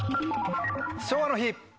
昭和の日。